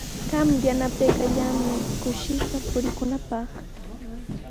Qam yanapaykallamay kushishqa purinaapaq.